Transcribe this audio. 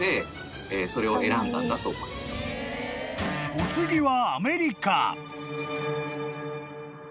［お次は］